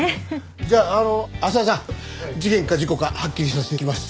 じゃああの浅輪さん事件か事故かはっきりさせてきます。